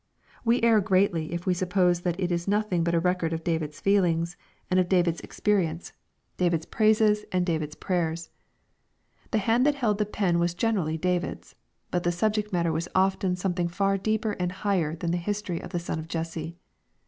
We err greatly if we suppose that itis nothing but a record of David's feelings, of David's ex LUKE, CHAP. XX. 345 perience, David's praises, and David's prayers. The hand that held the pen was generally David's. But the subject matter was often something far deeper and higher than the history of the son of Jesse.